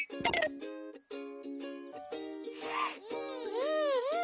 うん。